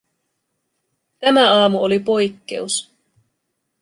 Tämä aamu oli poikkeus.